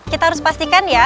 kita harus pastikan ya